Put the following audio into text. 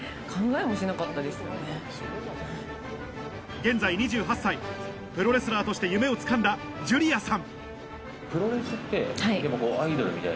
現在２８歳プロレスラーとして夢をつかんだジュリアさん